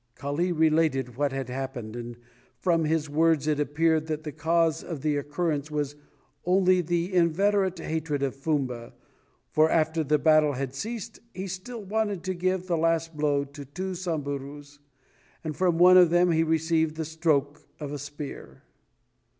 Kali related what had happened, and from his words it appeared that the cause of the occurrence was only the inveterate hatred of Fumba, for after the battle had ceased, he still wanted to give the last blow to two Samburus, and from one of them he received the stroke of a spear.